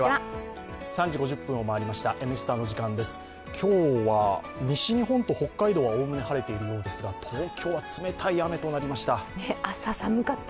今日は西日本と北海道はおおむね晴れているようですが東京は冷たい雨となりました。